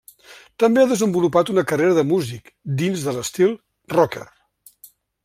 També ha desenvolupat una carrera de músic, dins de l'estil rocker.